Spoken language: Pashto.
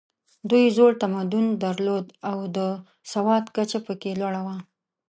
دوی زوړ تمدن درلود او د سواد کچه پکې لوړه وه.